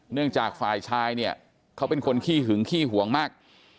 เนื่องจากฝ่ายชายเขาเป็นคนขี้หึงขี้ห่วงมาก